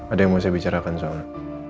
ada yang mau saya bicarakan soal